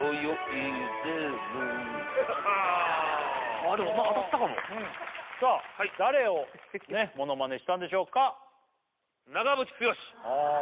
あーでもまあ当たったかもさあ誰をものまねしたんでしょうか？